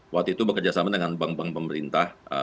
waktu itu bekerjasama dengan bank bank pemerintah